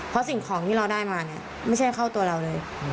เพราะสิ่งของที่เราได้มาเนี่ยไม่ใช่เข้าตัวเราเลย